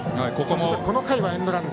そして、この回はエンドラン。